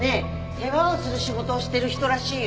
世話をする仕事をしてる人らしいよ。